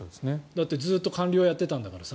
だってずっと官僚やってたんだから。